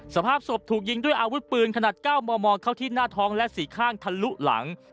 สภาพศพถูกยิงด้วยอาวุธปืนขนาด๙มมเข้าที่หน้าท้องและสี่ข้างทะลุหลัง